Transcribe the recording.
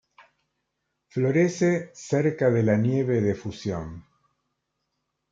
Florece cerca de la nieve de fusión.